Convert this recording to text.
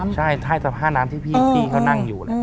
ใช่ใต้สะพาน้ำที่พี่เขานั่งอยู่